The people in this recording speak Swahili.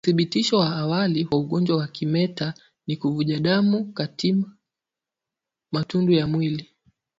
Uthibitisho wa awali wa ugonjwa wa kimeta ni kuvuja damu katima matundu ya mwili